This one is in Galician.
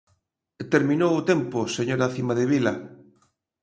Terminou o tempo, señora Cimadevila.